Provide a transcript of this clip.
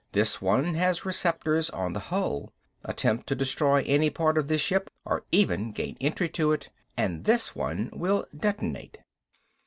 "This one has receptors on the hull. Attempt to destroy any part of this ship, or even gain entry to it, and this one will detonate."